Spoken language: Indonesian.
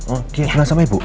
oh dia bawa sama ibu